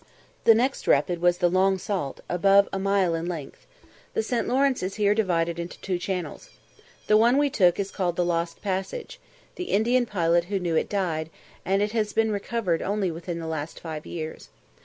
The next rapid was the Longue Sault, above a mile in length. The St. Lawrence is here divided into two channels. The one we took is called the Lost Passage; the Indian pilot who knew it died, and it has only been recovered within the last five years.